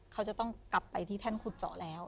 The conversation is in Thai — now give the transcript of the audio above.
เขาจะต้องกลับไปที่แท่นขุดเจาะแล้ว